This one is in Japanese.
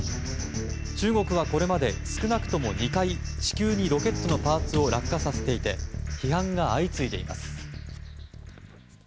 中国はこれまで少なくとも２回地球にロケットのパーツを落下させていて批判が相次いでいます。